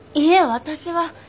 私は。